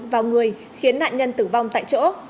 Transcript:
vào người khiến nạn nhân tử vong tại chỗ